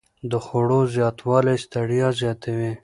د خوړو زیاتوالی ستړیا زیاتوي.